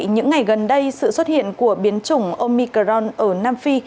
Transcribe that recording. những ngày gần đây sự xuất hiện của biến chủng omicron ở nam phi